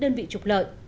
đơn vị trục lợi